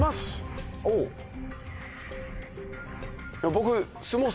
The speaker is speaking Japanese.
僕。